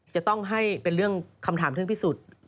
จะต้องให้เป็นเรื่องคำถามถึงพิสูจน์